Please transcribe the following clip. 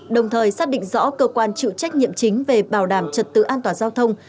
đồng thời xác định rõ cơ quan chịu trách nhiệm chính về bảo đảm trật tự an toàn giao thông